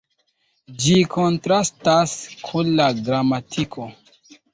Ĝi kontrastas kun la gramatiko.